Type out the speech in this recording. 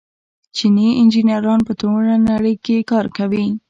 چیني انجنیران په ټوله نړۍ کې کار کوي.